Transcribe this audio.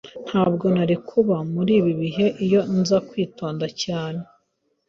Ntabwo nari kuba muri ibi bihe iyo nza kwitonda cyane.